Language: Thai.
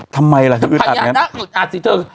ทำไมล่ะที่อึดอัดพญานาคอึดอัดสิเธอ